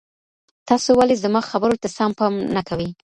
تاسو ولي زما خبرو ته سم پام نه کوئ؟